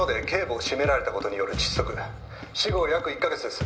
「死後約１カ月です」